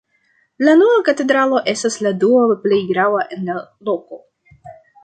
La nuna katedralo estas la dua plej grava en la loko.